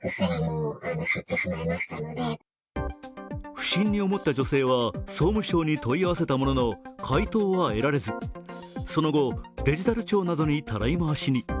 不審に思った女性は総務省に問い合わせたものの回答は得られず、その後、デジタル庁などにたらい回しに。